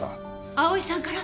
蒼さんから？